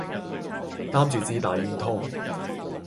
担住支大烟通